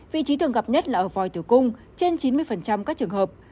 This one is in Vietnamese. vị trí thường gặp nhất là ở voi từ cung trên chín mươi các trường hợp